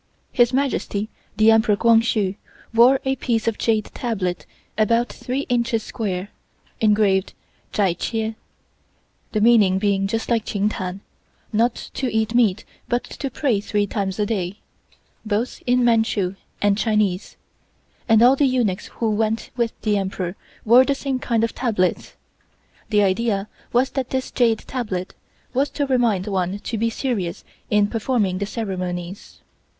His Majesty, the Emperor Kwang Hsu, wore a piece of jade tablet about three inches square, engraved "Chai Chieh" (the meaning being just like Chin Tan not to eat meat but to pray three times a day), both in Manchu and Chinese, and all the eunuchs who went with the Emperor wore the same kind of tablets. The idea was that this jade tablet was to remind one to be serious in performing the ceremonies.